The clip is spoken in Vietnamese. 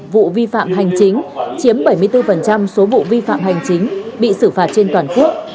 vụ vi phạm hành chính chiếm bảy mươi bốn số vụ vi phạm hành chính bị xử phạt trên toàn quốc